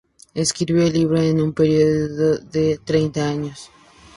Escribió el libro en un periodo de treinta años.